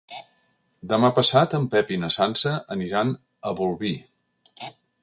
Demà passat en Pep i na Sança aniran a Bolvir.